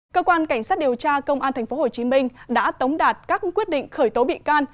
cơ quan cảnh sát điều tra công an tp hcm đã tống đạt các quyết định khởi tố bị can